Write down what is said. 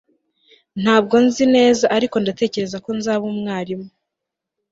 Ntabwo nzi neza ariko ndatekereza ko nzaba umwarimu